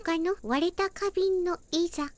われた花びんのいざ。